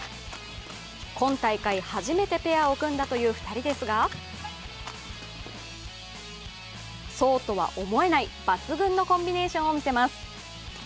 今大会初めてペアを組んだという２人ですがそうとは思えない抜群のコンビネーションを見せます。